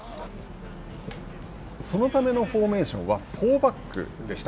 そのためのフォーメーションは４バックでした。